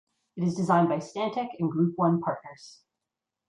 It is designed by Stantec and Group One Partners.